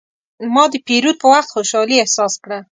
ما د پیرود په وخت خوشحالي احساس کړه.